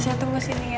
saya tunggu sini ya